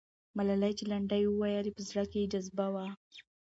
ملالۍ چې لنډۍ یې وویلې، په زړه کې یې جذبه وه.